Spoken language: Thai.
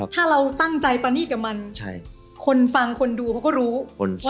ถ้าเราตั้งใจปรณีตกับมันคนฟังคนดูเขาก็รู้ว่าเราตั้งใจ